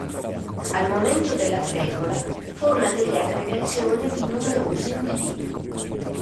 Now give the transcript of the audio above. Al momento della fregola forma delle aggregazioni di numerosi individui.